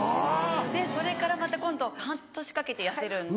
それからまた今度半年かけて痩せるんで。